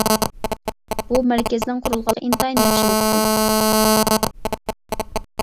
بۇ مەركەزنىڭ قۇرۇلغانلىقى ئىنتايىن ياخشى بوپتۇ.